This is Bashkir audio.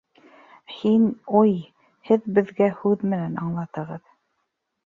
Һин, ой, Һеҙ беҙгә һүҙ менән аңлатығыҙ.